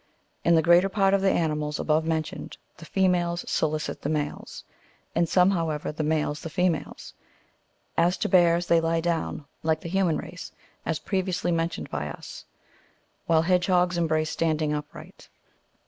In the greater part of the animals above mentioned, the females solicit the males ; in some, however, the males the females. As to bears, they lie down, like the human race, as previous ly^ mentioned by us; while hedgehogs embrace standing upright.